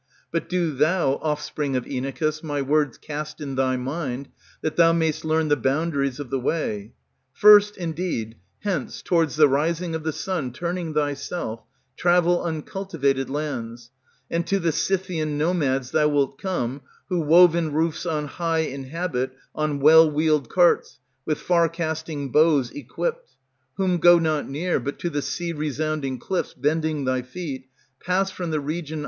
But do thou, offspring of Inachus, my words Cast in thy mind, that thou may'st learn the boundaries of the way. First, indeed, hence towards the rising of the sun Turning thyself, travel uncultivated lands, And to the Scythian nomads thou wilt come, who woven roofs On high inhabit, on well wheeled carts, With far casting bows equipped; Whom go not near, but to the sea resounding cliffs Bending thy feet, pass from the region.